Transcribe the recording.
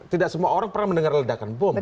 tidak semua orang pernah mendengar ledakan bom